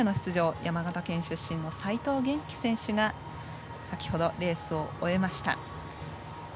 山形県出身の齋藤元希選手が先ほどレースを終えました。